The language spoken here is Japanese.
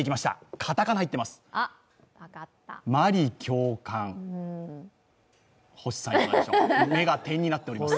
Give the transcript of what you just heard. カタカナいってます、